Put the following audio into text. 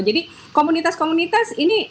jadi komunitas komunitas ini